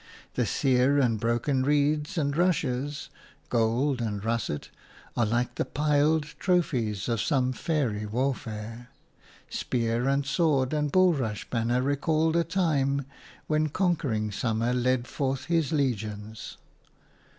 The sere and broken reeds and rushes – golden and russet – are like the piled trophies of some fairy warfare; spear and sword and bulrush banner recall the time when conquering summer led forth his legions.